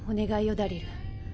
ダリル